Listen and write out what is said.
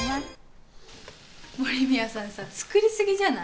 森宮さんさ、作りすぎじゃない？